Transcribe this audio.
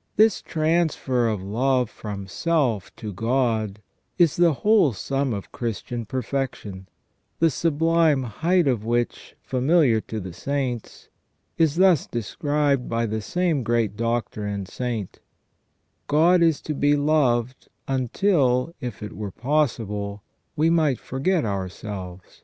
* This transfer of love from self to God is the whole sum of Christian perfection, the sublime height of which, familiar to the Saints, is thus described by the same great Doctor and Saint :" God is to be loved until, if it were possible, we might forget ourselves